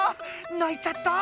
ないちゃった？